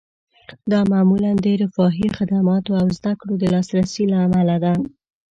دا معمولاً د رفاهي خدماتو او زده کړو د لاسرسي له امله ده